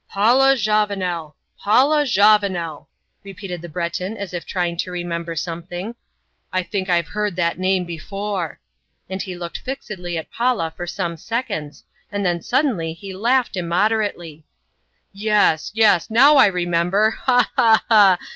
"Paula Javanel! Paula Javanel!" repeated the Breton as if trying to remember something. "I think I've heard that name before," and he looked fixedly at Paula for some seconds, and then suddenly he laughed immoderately. "Yes, yes; now I remember! Ha! ha! ha!